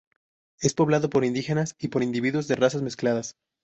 Es poblado por indígenas y por individuos de razas mezcladas.